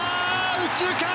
右中間！